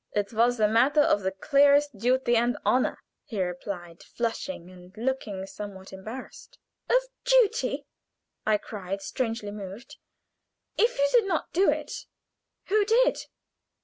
"It was a matter of the clearest duty and honor," he replied, flushing and looking somewhat embarrassed. "Of duty!" I cried, strangely moved. "If you did not do it, who did?